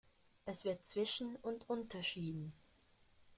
Es wird zwischen und unterschieden.